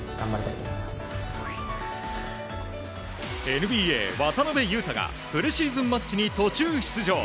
ＮＢＡ、渡邊雄太がプレシーズンマッチに途中出場。